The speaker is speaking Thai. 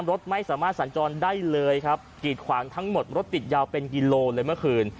รถไม่สามารถสัญจรได้เลยครับกีดขวางทั้งหมดรถติดยาวเป็นกิโลเลยเมื่อคืน